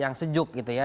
yang sejuk gitu ya